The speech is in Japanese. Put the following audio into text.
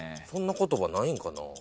そんな言葉ないんかな。